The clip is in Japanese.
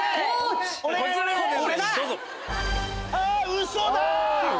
ウソだ！